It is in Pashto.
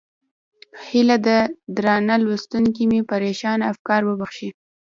هیله ده درانه لوستونکي مې پرېشانه افکار وبښي.